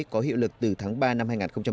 có hiệu lực từ tháng ba năm hai nghìn một mươi sáu